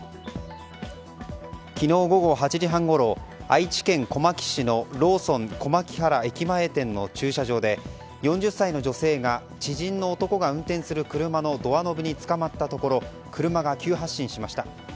昨日午後８時半ごろ愛知県小牧市のローソン小牧原駅前店の駐車場で４０歳の女性が知人の男が運転する車のドアノブにつかまったところ車が急発進しました。